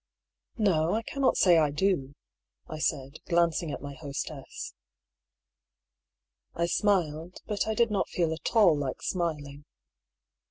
"No, I cannot say I do," I said, glancing at my hostess. I smiled ; but I did not feel at all like smiling.